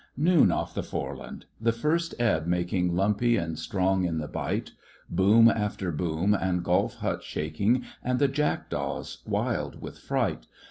Noon off the Foreland — the first ebb making Lumpy and strong in the bight. Boom after boom, and the golf hut shaking And the jackdaws wild with fright